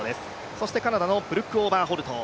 そしてカナダのブルック・オーバーホルト。